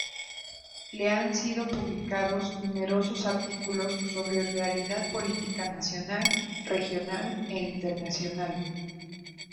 Le han sido publicados numerosos artículos sobre realidad política nacional, regional e internacional.